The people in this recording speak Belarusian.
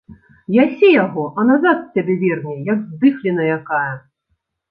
Ясі яго, а назад з цябе верне, як здыхліна якая.